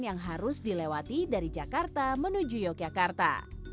yang harus dilewati dari jakarta menuju yogyakarta